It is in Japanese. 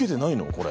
これ。